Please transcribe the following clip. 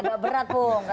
agak berat pun katanya